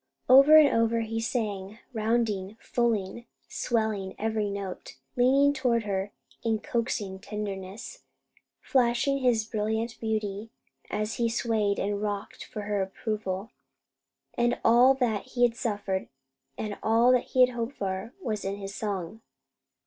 Over and over he sang, rounding, fulling, swelling every note, leaning toward her in coaxing tenderness, flashing his brilliant beauty as he swayed and rocked, for her approval; and all that he had suffered and all that he hoped for was in his song.